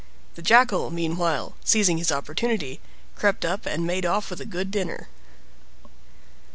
The Jackal, meanwhile, seizing his opportunity, crept up, and made off with a good dinner.